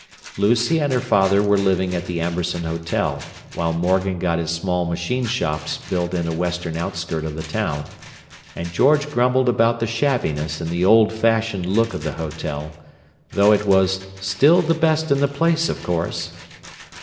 Lucy and her father were living at the Amberson Hotel, while Morgan got his small machine shops built in a western outskirt of the town; and George grumbled about the shabbiness and the old fashioned look of the hotel, though it was "still the best in the place, of course."